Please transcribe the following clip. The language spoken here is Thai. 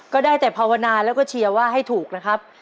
ก็ได้แต่ภาวนาแล้วก็เชียร์ว่าให้ถูกนะครับ